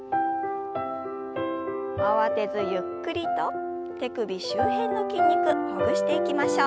慌てずゆっくりと手首周辺の筋肉ほぐしていきましょう。